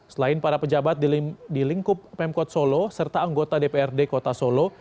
selain para pejabat di lingkup pemkot solo serta anggota dprd kota solo